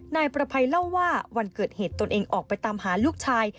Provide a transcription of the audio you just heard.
นายประภัยเล่าว่าวันเกิดเหตุตนเองออกไปตามหาลูกชาย